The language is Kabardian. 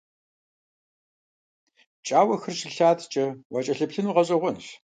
ПкӀауэхэр щылъатэкӀэ уакӀэлъыплъыну гъэщӀэгъуэнщ.